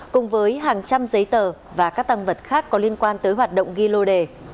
cùng với hàng trăm giấy tờ và các tăng vật khác có liên quan tới hoạt động ghi lô đề